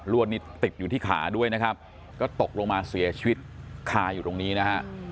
วดนี้ติดอยู่ที่ขาด้วยนะครับก็ตกลงมาเสียชีวิตคาอยู่ตรงนี้นะฮะ